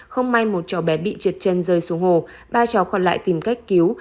không may một cháu bé bị trượt chân rơi xuống hồ ba cháu còn lại tìm cách cứu